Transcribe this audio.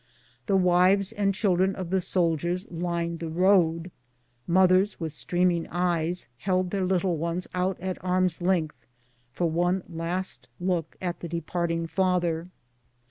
The wives and children of the soldiers lined the road. Mothers, with streaming eyes, held their little ones out at arm's length for one last look at the departing father.